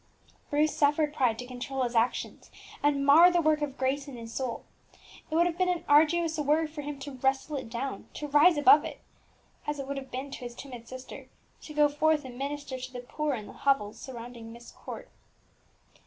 _ Bruce suffered pride to control his actions, and mar the work of grace in his soul. It would have been as arduous a work for him to "wrestle it down, to rise above it," as it would have been to his timid sister to go forth and minister to the poor in the hovels surrounding Myst Court.